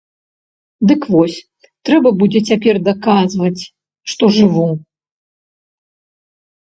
Дык вось, трэба будзе цяпер даказваць, што жыву.